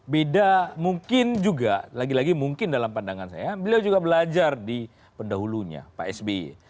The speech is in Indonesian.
beda mungkin juga lagi lagi mungkin dalam pandangan saya beliau juga belajar di pendahulunya pak sby